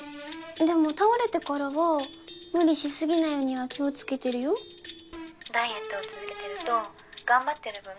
でも倒れてからは無理しすぎないようには気をつけてるよ☎ダイエットを続けてると頑張ってる分